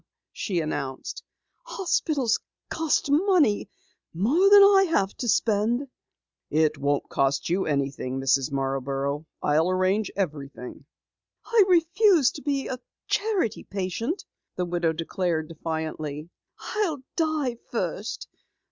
she announced. "Hospitals cost money more than I have to spend." "It won't cost you anything, Mrs. Marborough. I'll arrange everything." "I refuse to be a charity patient," the widow declared defiantly. "I'll die first!